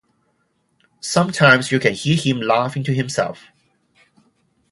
Sometimes you can hear him laughing to himself.